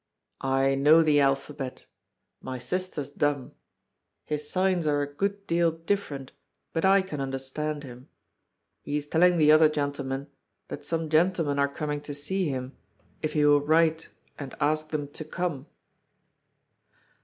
"I know the alphabet; my sister's dumb. His signs are a good deal different, but I can understand him. He is telling the other gentleman that some gentlemen are coming to see him, if he will write and ask them to come."